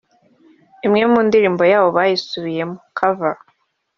imwe mu ndirimbo yabo basubiyemo(cover)